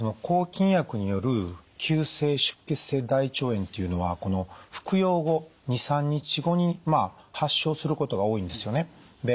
抗菌薬による急性出血性大腸炎っていうのは服用後２３日後に発症することが多いんですよね。